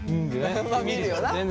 まあ見るよな？